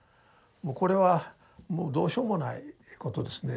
もうこれはもうどうしようもないことですね。